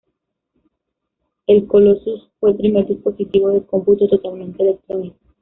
El Colossus fue el primer dispositivo de cómputo totalmente electrónico.